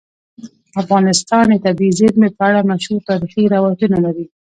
افغانستان د طبیعي زیرمې په اړه مشهور تاریخی روایتونه لري.